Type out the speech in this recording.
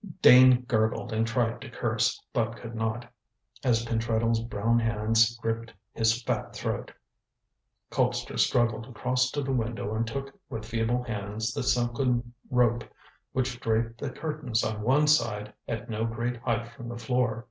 Dane gurgled and tried to curse, but could not, as Pentreddle's brown hands gripped his fat throat. Colpster struggled across to the window and took with feeble hands the silken rope which draped the curtains on one side at no great height from the floor.